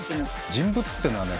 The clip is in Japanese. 人物っていうのはね